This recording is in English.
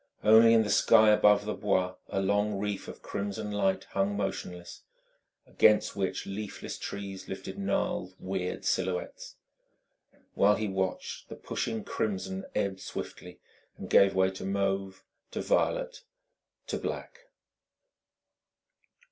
Only in the sky above the Bois a long reef of crimson light hung motionless, against which leafless trees lifted gnarled, weird silhouettes. While he watched, the pushing crimson ebbed swiftly and gave way to mauve, to violet, to black.